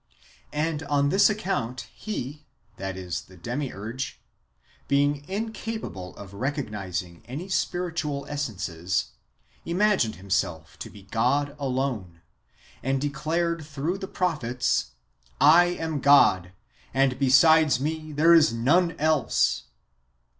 And on this account, he (the, Demiurge), being in capable of recognising any spiritual essences, imagined him self to be God alone, and declared through the prophets, " I am God, and besides me there is none else."